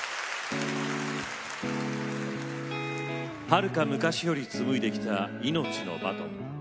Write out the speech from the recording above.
はるか昔よりつむいできた命のバトン。